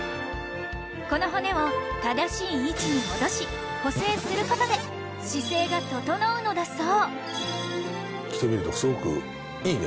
この骨を正しい位置に戻し補正することで姿勢が整うのだそう着てみるとすごくいいね